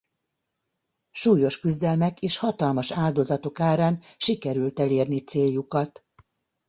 Súlyos küzdelmek és hatalmas áldozatok árán sikerült elérni céljukat.